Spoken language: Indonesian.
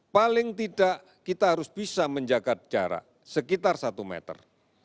paling tidak kita harus bisa menjaga jarak sekitar satu meter